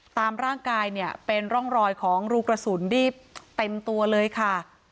ตามร่างกายเนี่ยเป็นร่องรอยของรูกระสุนที่เต็มตัวเลยค่ะ